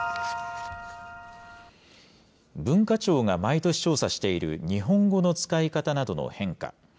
文化庁が毎年調査している日本語の使い方などの変化。